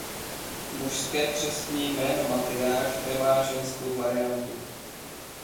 Mužské křestní jméno Matyáš nemá ženskou variantu.